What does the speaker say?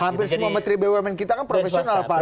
hampir semua menteri bumn kita kan profesional pak